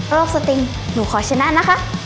สติงหนูขอชนะนะคะ